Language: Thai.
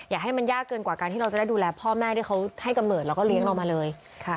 อย่าให้มันยากเกินกว่าการที่เราจะได้ดูแลพ่อแม่ที่เขาให้กำเนิดแล้วก็เลี้ยงเรามาเลย